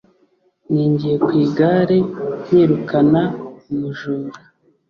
Ninjiye ku igare nirukana umujura.